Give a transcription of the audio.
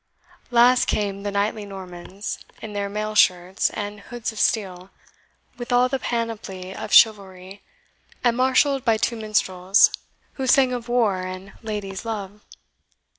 Last came the knightly Normans, in their mail shirts and hoods of steel, with all the panoply of chivalry, and marshalled by two Minstrels, who sang of war and ladies' love.